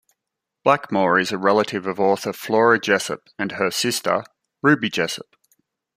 Blackmore is a relative of author Flora Jessop and her sister, Ruby Jessop.